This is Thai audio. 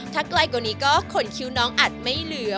ถ้าไกลกว่านี้ก็ขนคิ้วน้องอัดไม่เหลือ